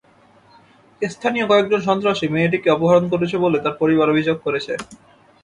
স্থানীয় কয়েকজন সন্ত্রাসী মেয়েটিকে অপহরণ করেছে বলে তার পরিবার অভিযোগ করেছে।